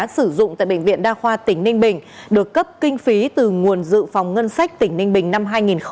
đã sử dụng tại bệnh viện đa khoa tỉnh ninh bình được cấp kinh phí từ nguồn dự phòng ngân sách tỉnh ninh bình năm hai nghìn hai mươi